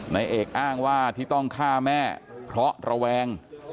นายเอกอ้างว่าที่ต้องฆ่าแม่เพราะระแวง